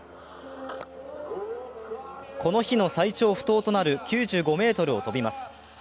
この日の最長不倒となる９５ｍを飛びます。